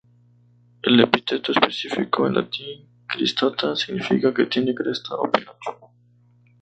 El epíteto específico, en latín, "cristata" significa "que tiene cresta o penacho".